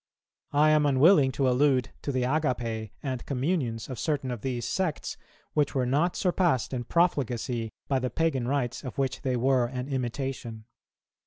I am unwilling to allude to the Agapæ and Communions of certain of these sects, which were not surpassed in profligacy by the Pagan rites of which they were an imitation.